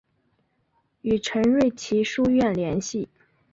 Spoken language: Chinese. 与陈瑞祺书院联系。